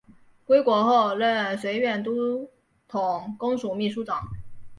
归国后任绥远都统公署秘书长。